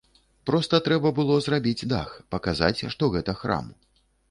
Проста трэба было зрабіць дах, паказаць, што гэта храм.